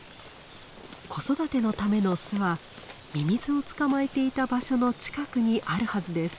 子育てのための巣はミミズを捕まえていた場所の近くにあるはずです。